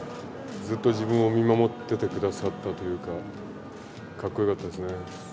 ずっと自分を見守っててくださったというか、かっこよかったです